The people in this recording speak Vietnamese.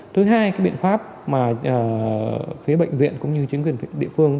thứ hai cái biện pháp mà phía bệnh viện cũng như chính quyền địa phương